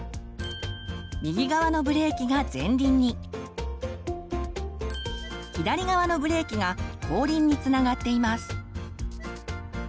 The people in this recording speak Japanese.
右側のブレーキが前輪に左側のブレーキが後輪につながっています。